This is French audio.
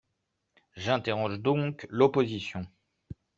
J’interroge donc l’opposition.